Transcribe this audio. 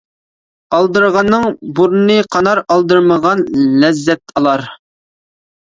ئالدىرىغاننىڭ بۇرنى قانار، ئالدىرىمىغان لەززەت ئالار.